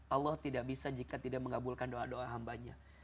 allah tidak bisa jika tidak mengabulkan doa doa hambanya